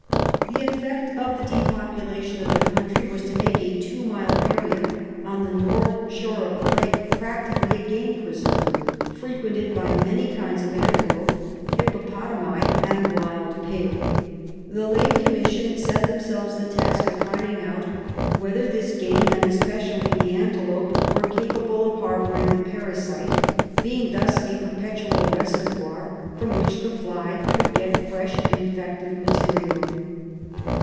The eifect of the depopulation of the country was to make a two mile area on the north shore of the lake practically a game preserve, frequented by many kinds of antelope, hippopotami and wild pig. The late Commission set them selves the task of finding out whether this game, and especially the antelope, were capable of harbouring the parasite, being thus a perpetual reservoir from which the fly could get fresh infective material.